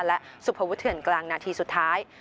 และสุภวุฒเถื่อนกลางนาทีสุดท้าย